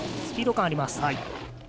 スピード感あります。